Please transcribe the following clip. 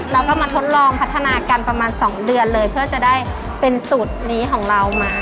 แล้วก็มาทดลองพัฒนากันประมาณ๒เดือนเลยเพื่อจะได้เป็นสูตรนี้ของเรามา